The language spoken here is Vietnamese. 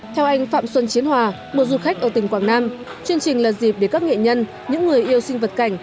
theo anh phạm xuân chiến hòa một du khách ở tỉnh quảng nam chương trình là dịp để các nghệ nhân những người yêu sinh vật cảnh